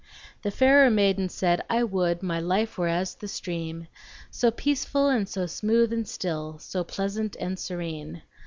The fairer maiden said, "I would My life were as the stream; So peaceful, and so smooth and still, So pleasant and serene."